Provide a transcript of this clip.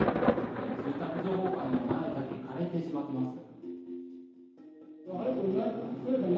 住宅情報館の前だけ枯れてしまっています。